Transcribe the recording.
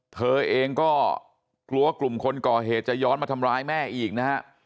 เธอเองก็กลัวกลุ่มคนก่อเหตุจะย้อนมาทำร้ายแม่อีกนะฮะ